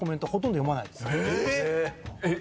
えっ⁉